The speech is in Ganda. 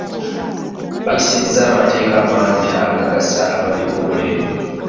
Bayisiza amateeka mangi agagasa abaliko obulemu.